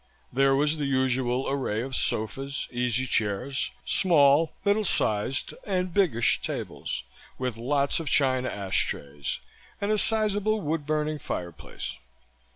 There was the usual array of sofas, easy chairs, small, middle sized and biggish tables, with lots of china ash trays, and a sizable wood burning fireplace.